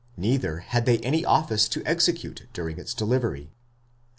neither had they any office to execute during its delivery.